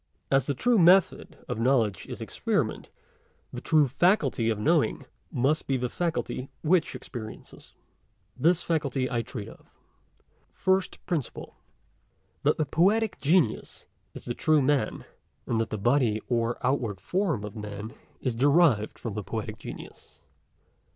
As the true method of knowledge is experiment ; the true faculty of knowing must be the faculty which experiences. This faculty I treat of. PRINCIPLE FIRST. That the Poetic Genius is the true Man, and that the body or outward form of Man is derived from the Poetic Genius.